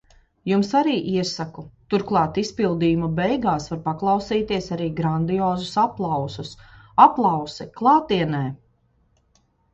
Jums arī iesaku. Turklāt izpildījuma beigās var paklausīties arī grandiozus aplausus. Aplausi. Klātienē.